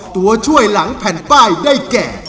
ตัวช่วยหลังแผ่นป้ายได้แก่